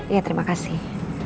iya terima kasih